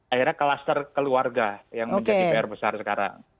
akhirnya kluster keluarga yang menjadi pr besar sekarang